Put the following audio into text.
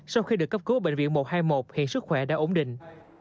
sau khi được cấp cứu bệnh viện một trăm hai mươi một hiện sức khỏe đã ổn định